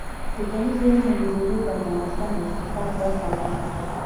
د کلیزو منظره د افغانستان د اقتصاد برخه ده.